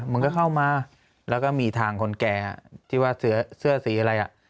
มันก็เข้ามาแล้วก็มีทางคนแก่ที่ว่าเสื้อสีอะไรอ่ะ